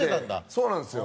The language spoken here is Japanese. そうなんですよ。